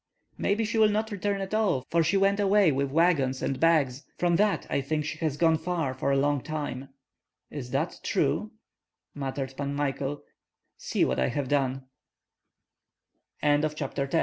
"Maybe she will not return at all, for she went away with wagons and bags. From that I think she has gone far for a long time." "Is that true?" muttered Pan Michael. "See what I have done!" CHAPTER XI.